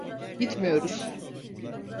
Gitmiyoruz.